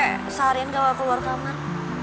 bokap gue seharian gak keluar kamar